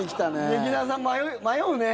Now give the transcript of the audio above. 劇団さん、迷うね。